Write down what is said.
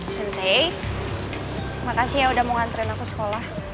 sensei makasih ya udah mau ngantriin aku sekolah